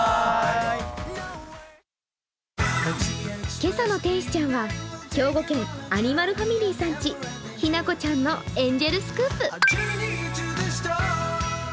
今朝の天使ちゃんは兵庫県、あにまるファミリーさんちひな子ちゃんのエンジェルスクープ。